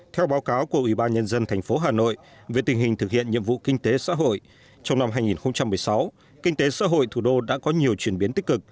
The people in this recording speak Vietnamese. theo báo cáo của ủy ban nhân dân tp hà nội về tình hình thực hiện nhiệm vụ kinh tế xã hội trong năm hai nghìn một mươi sáu kinh tế xã hội thủ đô đã có nhiều chuyển biến tích cực